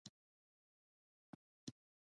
خو د لور او خور په اړه مو ذهنیت همغه دی.